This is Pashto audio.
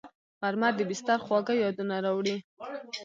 غرمه د بستر خواږه یادونه راوړي